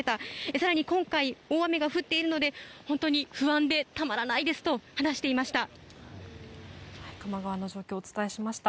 更に今回大雨が降っているので本当に不安でたまらないですと話していました。